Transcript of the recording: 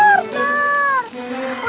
susan kecil itu partner